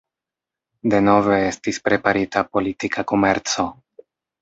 Denove estis preparita politika komerco.